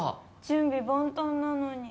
準備万端なのに。